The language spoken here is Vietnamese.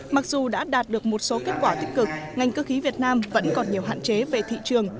mặc dù đã đạt được một số kết quả tích cực ngành cơ khí việt nam vẫn còn nhiều hạn chế về thị trường